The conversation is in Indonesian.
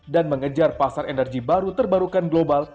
dan mengejar pasar energi baru terbarukan global